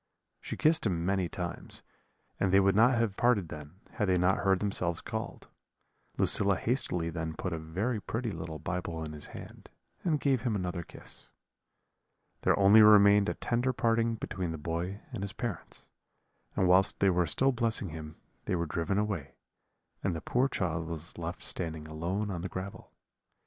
She kissed him many times, and they would not have parted then, had they not heard themselves called. Lucilla hastily then put a very pretty little Bible in his hand, and gave him another kiss. "There only remained a tender parting between the boy and his parents; and whilst they were still blessing him they were driven away, and the poor child was left standing alone on the gravel.